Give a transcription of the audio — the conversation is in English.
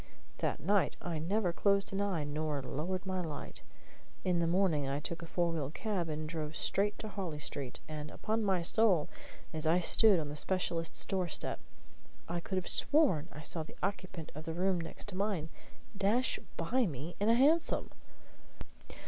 That night I never closed an eye nor lowered my light. In the morning I took a four wheel cab and drove straight to Harley Street; and, upon my soul, as I stood on the specialist's door step, I could have sworn I saw the occupant of the room next mine dash by me in a hansom!